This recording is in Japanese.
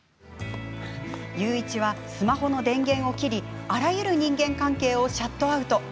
裕一はスマホの電源を切りあらゆる人間関係をシャットアウト。